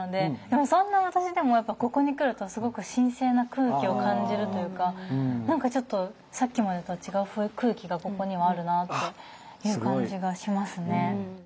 でもそんな私でもやっぱここに来るとすごく神聖な空気を感じるというか何かちょっとさっきまでとは違う空気がここにはあるなっていう感じがしますね。